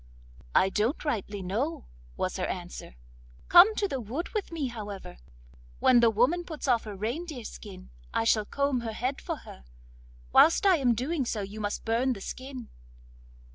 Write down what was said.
'I don't rightly know,' was her answer. 'Come to the wood with me, however; when the woman puts off her reindeer skin I shall comb her head for her; whilst I am doing so you must burn the skin.